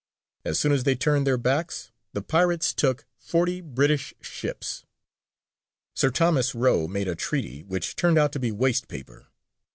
As soon as they turned their backs the pirates took forty British ships. Sir Thomas Roe made a treaty, which turned out to be waste paper.